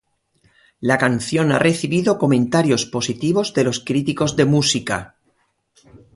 La canción ha recibido comentarios positivos de los críticos de música.